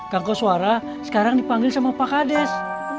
kang koswara sekarang dipanggil sama pak kades